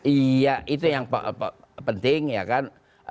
iya itu yang penting ya kan